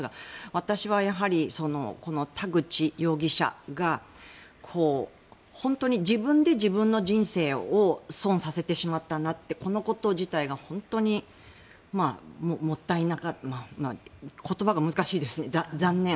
私はやはり、この田口容疑者が本当に自分で自分の人生を損させてしまったなってこのこと自体が本当にもったいなかった言葉が難しいですね、残念。